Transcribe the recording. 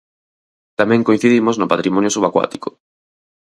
Tamén coincidimos no patrimonio subacuático.